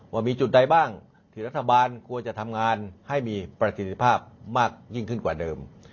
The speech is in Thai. ว่ามีจุดใดบ้างที่รัฐบาลควรจะทำงานให้มีประสิทธิภาพมากยิ่งขึ้นกว่าเดิม